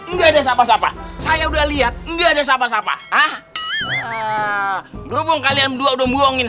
nggak ada siapa siapa saya udah lihat nggak ada siapa siapa berhubung kalian dua udah buangin